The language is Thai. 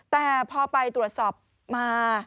แต่พอไปตรวจสอบมา